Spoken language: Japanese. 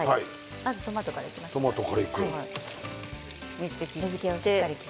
まずトマトからいきましょうか。